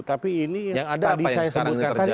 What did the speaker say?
tapi ini yang tadi saya sebutkan tadi